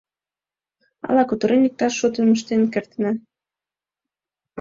— Ала, кутырен, иктаж шотым ыштен кертына.